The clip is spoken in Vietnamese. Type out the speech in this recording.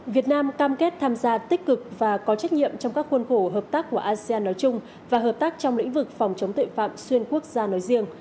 việt nam cam kết tham gia tích cực và có trách nhiệm trong các khuôn khổ hợp tác của asean nói chung và hợp tác trong lĩnh vực phòng chống tội phạm xuyên quốc gia nói riêng